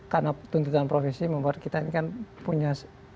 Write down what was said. karena tuntutan profesi membuat kita ini kan punya